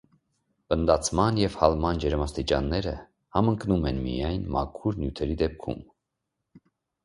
Պնդացման և հալման ջերմաստիճանները համընկնում են միայն մաքուր նյութերի դեպքում։